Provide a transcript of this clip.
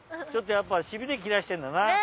ょっとやっぱしびれ切らしてんだな。